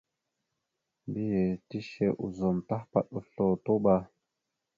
Mbiyez tishe ozum tahəpaɗ oslo, tuɓa.